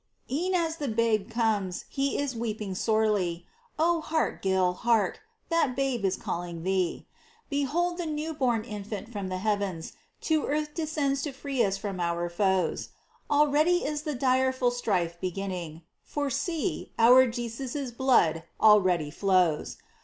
E'en as the Babe comes, He is weeping sorely : Oh hark, Gil, hark ! that Babe is calling thee ! Behold the new bom Infant from the heavens To earth descends to free us from our foes ! Already is the direful strife beginning. For see, our Jesus' blood already flows